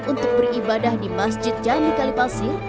untuk beribadah di masjid jami kali pasir